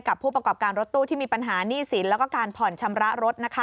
ผู้ประกอบการรถตู้ที่มีปัญหาหนี้สินแล้วก็การผ่อนชำระรถ